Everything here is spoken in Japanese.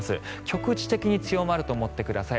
局地的に強まると思ってください。